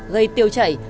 gây tiêu chảy